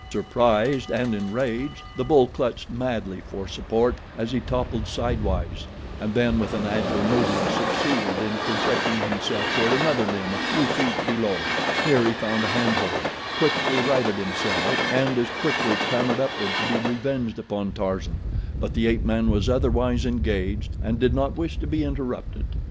Surprised and enraged, the bull clutched madly for support as he toppled sidewise, and then with an agile movement succeeded in projecting himself toward another limb a few feet below. Here he found a hand hold, quickly righted himself, and as quickly clambered upward to be revenged upon Tarzan, but the ape man was otherwise engaged and did not wish to be interrupted.